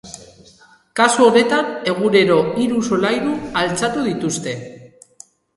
Kasu honetan, egunero hiru solairu altxatu dituzte.